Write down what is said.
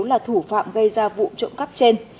nguyễn văn hiếu là thủ phạm gây ra vụ trộm cắp trên